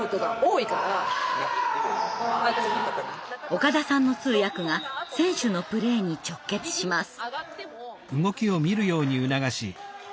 岡田さんの通訳が選手のプレーに直結します。